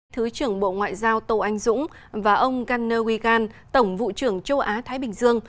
thứ trưởng bộ ngoại giao tô anh dũng và ông gunner wigan tổng vụ trưởng châu á thái bình dương